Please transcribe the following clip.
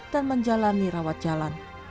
dan menjalani rawat jalan